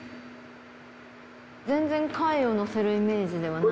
全然貝を乗せるイメージではない。